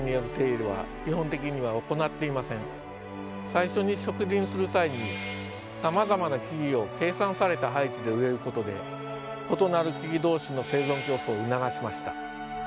最初に植林する際にさまざまな木々を計算された配置で植えることで異なる木々同士の生存競争を促しました。